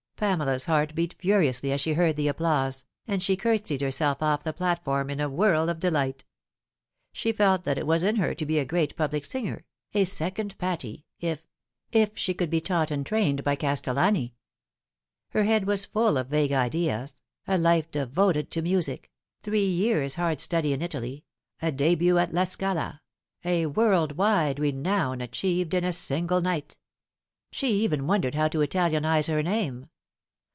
Pamela's heart beat furiously as she heard the applause, and A Wife and no Wife. 139 she curtsied herself ofi the platform in a whirl of delight. She felt that it was in her to be a great public singer a second Patti if if she could be taught and trained by Castellani. Her head was full of vague ideas a life devoted to music three years' hard study in Italy a debut at La Scala a world wide renown achieved in a single night. She even wondered how to Italianise her name.